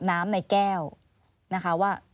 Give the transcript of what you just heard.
น้ำในแก้วนะคะว่า